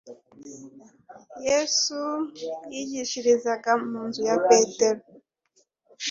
Yesu yigishirizaga mu nzu ya Petero.